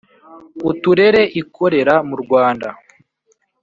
uturere ikorera mu Rwanda,